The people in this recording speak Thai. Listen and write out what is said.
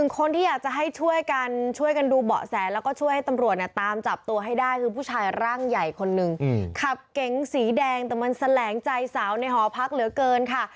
คนที่อยากจะให้ช่วยกันช่วยกันดูเบาะแสแล้วก็ช่วยให้ตำรวจเนี่ยตามจับตัวให้ได้คือผู้ชายร่างใหญ่คนหนึ่งขับเก๋งสีแดงแต่มันแสลงใจสาวในหอพักเหลือเกินค่ะ